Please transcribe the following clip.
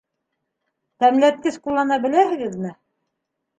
Тәмләткес ҡуллана беләһегеҙме?